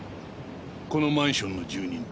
このマンションの住人と。